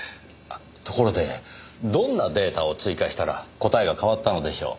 ところでどんなデータを追加したら答えが変わったのでしょう？